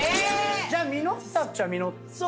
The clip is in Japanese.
じゃ実ったっちゃ実っ。